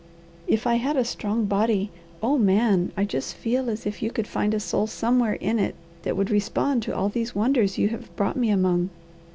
If I had a strong body, oh Man, I just feel as if you could find a soul somewhere in it that would respond to all these wonders you have brought me among.